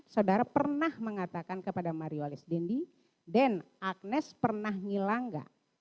saudara pernah mengatakan kepada mario alis dendi den agnes pernah ngilang enggak